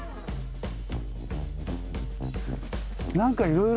何かいろいろ。